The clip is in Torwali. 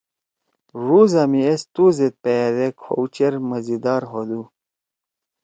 یرأ ڙوزا می ایسی تو زید پیادے کھؤ چیر مزیدار ہودُو!